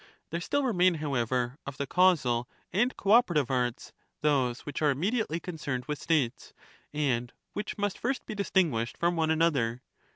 There still remain, however, of the causal and co operative arts those which are immediately concerned with States, and which must first be distinguished from one another.